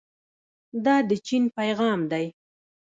دا د چین پیغام دی.